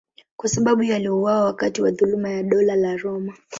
Kwa sababu hiyo aliuawa wakati wa dhuluma ya Dola la Roma.